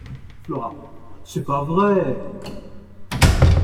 Flora C’est pas vrai…